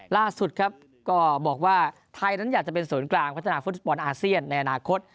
ล่าสุดครับก็บอกว่าไทยนั้นอยากจะเป็นศูนย์กลางพัฒนาฟุตบอลอาเซียนในอนาคต